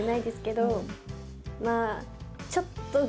まぁちょっと。